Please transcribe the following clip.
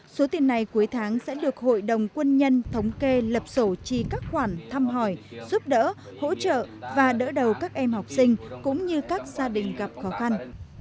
số tiền này cuối tháng sẽ được hội đồng quân nhân thống kê lập sổ trì các khoản thăm hỏi giúp đỡ hỗ trợ và đỡ đầu các em học sinh cũng như các gia đình gặp khó khăn